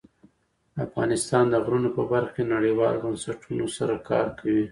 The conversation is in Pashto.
افغانستان د غرونه په برخه کې نړیوالو بنسټونو سره کار کوي.